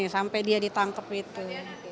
sampai dia ditangkep itu